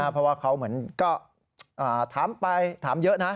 เพราะว่าเขาเหมือนก็ถามไปถามเยอะนะ